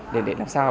để làm sao